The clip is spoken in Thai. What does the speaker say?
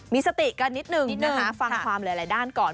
มีสติกันนิดนึงนะคะฟังความหลายด้านก่อน